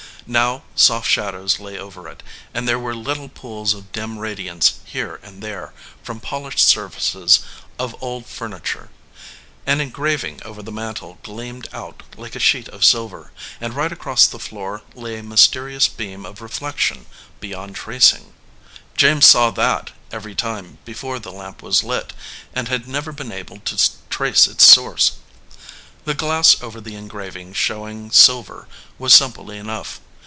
Now soft shadows lay over it, and there were little pools of dim radiance here and there from polished surfaces of old furniture ; an engraving over the mantel gleamed out like a sheet of silver, and right across the floor lay a mysterious beam of reflection beyond tracing. James saw that every night before the lamp was lit, and had never been able to trace its source. The glass over the engraving showing silver was simple enough.